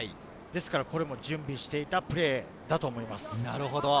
これも準備していたプレーだと思います。